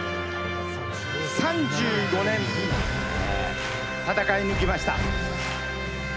３５年、戦い抜きました。